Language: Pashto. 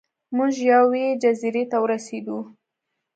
موږ یوې جزیرې ته ورسیدو.